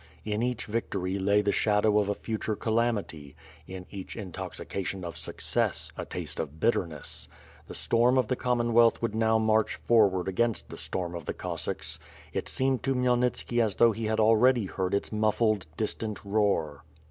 In each vctory lay the shadow of a future calamity; in each intoxi ation of success a taste of bitterness. The storm of the Commonwealth would now march forward against the storm of the Cossacks. It seemed to Khmyelnitski as though he already heard its muf fled, distant roar.